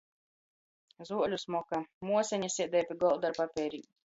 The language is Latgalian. Zuoļu smoka. Muoseņa sēdēja pi golda ar papeirim.